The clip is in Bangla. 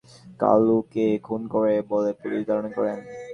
টাকা লেনদেনেকে কেন্দ্র করে মুন্না কালুকে খুন করেন বলে পুলিশ ধারণা করছে।